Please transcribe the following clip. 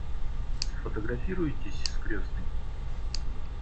Сфотографируетесь с крестной?